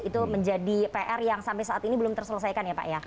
itu menjadi pr yang sampai saat ini belum terselesaikan ya pak ya